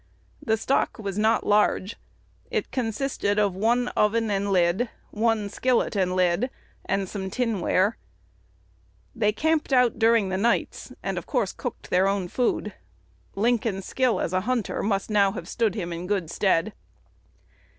The stock was not large. It consisted of "one oven and lid, one skillet and lid, and some tin ware." They camped out during the nights, and of course cooked their own food. Lincoln's skill as a hunter must now have stood him in good stead.